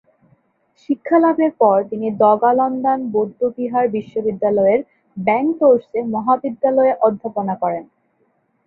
শিক্ষালাভের পর তিনি দ্গা'-ল্দান বৌদ্ধবিহার বিশ্ববিদ্যালয়ের ব্যাং-র্ত্সে মহাবিদ্যালয়ে অধ্যাপনা করেন।